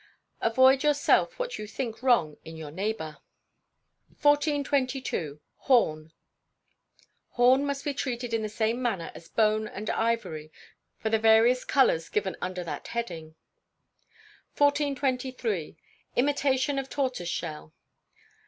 [AVOID YOURSELF WHAT YOU THINK WRONG IN YOUR NEIGHBOUR.] 1422. Horn. Horn must be treated in the same manner as bone and ivory for the various colours given under that heading. 1423. Imitation of Tortoiseshell.